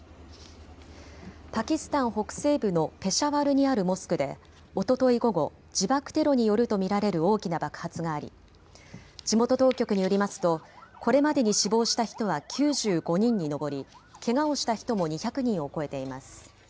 パキスタン北西部のペシャワルにあるモスクでおととい午後自爆テロによると見られる大きな爆発があり地元当局によりますとこれまでに死亡した人は９５人に上りけがをした人も２００人を超えています。